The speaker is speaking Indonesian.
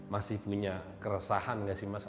masih punya keresahan gak sih mas